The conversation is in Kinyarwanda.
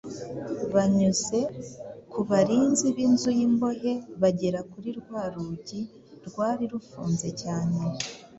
Banyuze ku barinzi b’inzu y’imbohe bagera kuri rwa rugi rwari rufunze cyane